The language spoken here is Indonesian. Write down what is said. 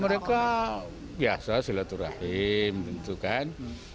maka biasa silaturahmi tentu kan